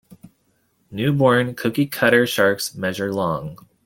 Newborn cookiecutter sharks measure long.